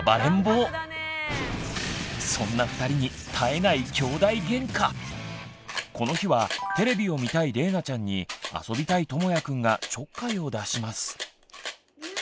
そんな２人に絶えないこの日はテレビを見たいれいなちゃんに遊びたいともやくんがちょっかいを出します。